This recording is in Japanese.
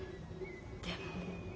でも。